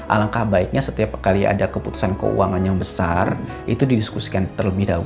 alangkah baiknya setiap kali ada keputusan keuangan yang besar itu didiskusikan terlebih dahulu